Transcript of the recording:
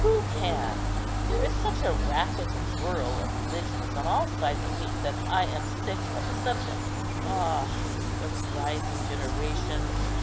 Who can? There is such a racket and whirl of religions on all sides of me that I am sick of the subject." "Ah, the rising generation!"